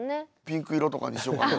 ピンク色とかにしようかな。